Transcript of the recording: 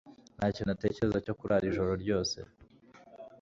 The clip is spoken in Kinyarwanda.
Nta kintu atekereza cyo kurara ijoro ryose